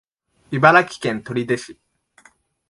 茨城県取手市